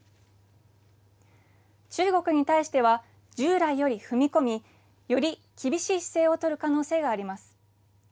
中国に対しては従来より踏み込みより厳しい姿勢を取る可能性があります。